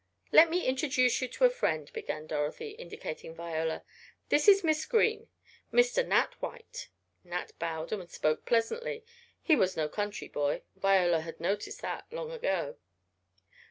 '" "Let me introduce you to a friend," began Dorothy, indicating Viola. "This is Miss Green Mr. Nat White." Nat bowed and spoke pleasantly he was no country boy. Viola had noticed that long ago.